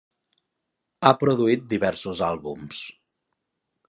Ha produït diversos àlbums.